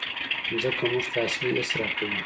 مځکه موږ ته اصلي حس راکوي.